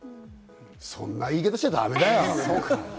そんな言い方しちゃだめだよ。